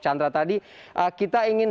chandra tadi kita ingin